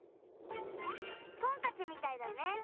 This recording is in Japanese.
トンカチみたいだね。